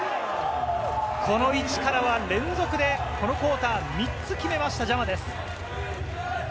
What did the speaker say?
この位置からは連続でこのクオーター、３つ決めました、ジャマです。